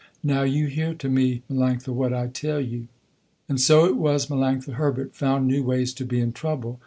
Now you hear to me Melanctha, what I tell you." And so it was Melanctha Herbert found new ways to be in trouble.